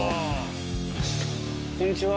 こんにちは。